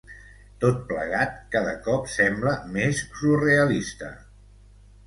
Tot plegat cada cop sembla més surrealista.